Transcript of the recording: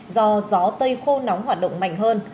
do gió tây khô nóng hoạt động mạnh hơn